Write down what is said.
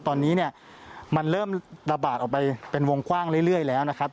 ตอนนี้เนี่ยมันเริ่มระบาดออกไปเป็นวงกว้างเรื่อยแล้วนะครับ